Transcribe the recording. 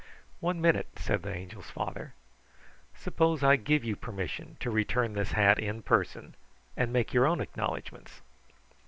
"One minute," said the Angel's father. "Suppose I give you permission to return this hat in person and make your own acknowledgments."